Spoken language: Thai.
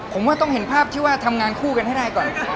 ผมว่าต้องเห็นภาพที่ว่าทำงานคู่กันให้ได้ก่อน